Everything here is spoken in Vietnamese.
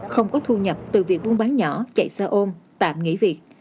không có thu nhập từ việc uống bán nhỏ chạy xa ôm tạm nghỉ việc